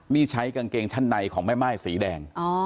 นี่ใช้กางเกงชั้นในของแม่ม่ายสีแดง